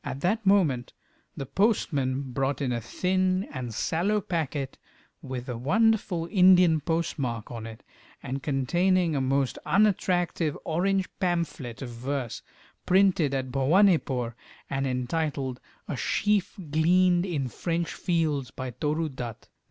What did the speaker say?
At that moment the postman brought in a thin and sallow packet with a wonderful Indian postmark on it, and containing a most unattractive orange pamphlet of verse, printed at Bhowanipore, and entitled "A Sheaf gleaned in French Fields, by Toru Dutt."